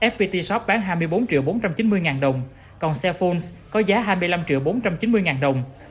fpt shop bán hai mươi bốn bốn trăm chín mươi đồng còn cellphones có giá hai mươi năm bốn trăm chín mươi đồng